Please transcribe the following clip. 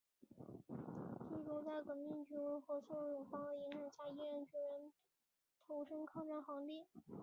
最终在革命军和宋永芳的影响下毅然投身抗战行列。